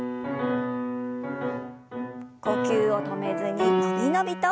呼吸を止めずに伸び伸びと。